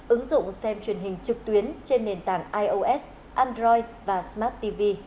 ứng dụng xem truyền hình trực tuyến trên nền tảng ios android và smart tv